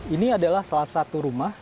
ini adalah salah satu rumah